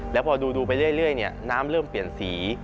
แล้วพอดูไปเรื่อยน้ำเริ่มเปลี่ยนสี